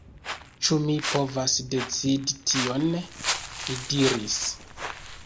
Ĉu mi povas decidi tion?li diris.